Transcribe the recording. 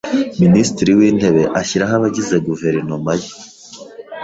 Minisitiri w’intebe ashyiraho abagize guverinoma ye.